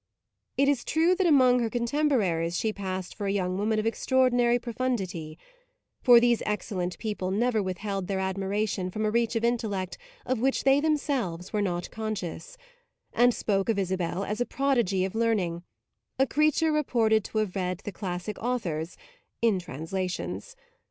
It is true that among her contemporaries she passed for a young woman of extraordinary profundity; for these excellent people never withheld their admiration from a reach of intellect of which they themselves were not conscious, and spoke of Isabel as a prodigy of learning, a creature reported to have read the classic authors in translations.